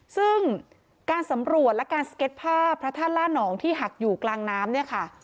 ซึ่งการสำรวจและการสเก็ตภาพพระธาตุล่านองที่หักอยู่กลางน้ำเนี่ยค่ะ